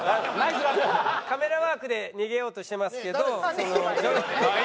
カメラワークで逃げようとしてますけど。